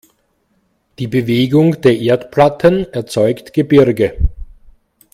Die Bewegung der Erdplatten erzeugt Gebirge.